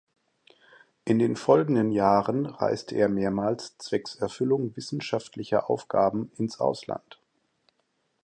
In den folgenden Jahren reiste er mehrmals zwecks Erfüllung wissenschaftlicher Aufgaben ins Ausland.